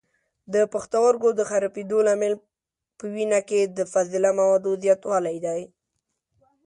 د پښتورګو د خرابېدلو لامل په وینه کې د فاضله موادو زیاتولی دی.